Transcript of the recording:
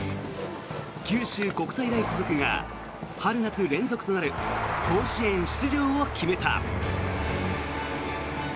九州国際大付属が春夏連続となる甲子園出場を決めた。